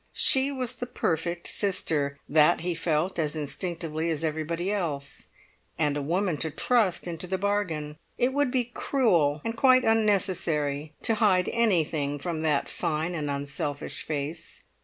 She was the perfect sister—that he felt as instinctively as everybody else—and a woman to trust into the bargain. It would be cruel and quite unnecessary to hide anything from that fine and unselfish face.